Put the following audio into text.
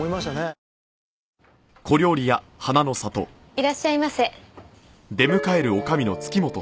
いらっしゃいませ。